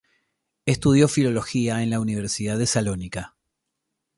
Estudió Filología en la Universidad de Salónica.